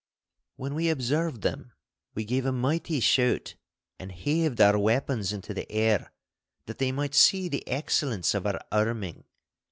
When we observed them we gave a mighty shout and heaved our weapons into the air, that they might see the excellence of our arming.